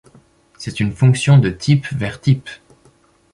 C'est une fonction de types vers types.